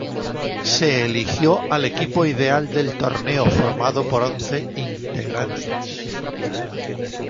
Se eligió al equipo ideal del torneo formado por once integrantes.